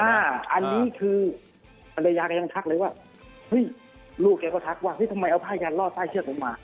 อันนี้คือประหยากันยังทักเลยว่าลูกเขาก็ทักว่านี่ทำไมเอาผ้ายันรอดใต้เชือกลงมา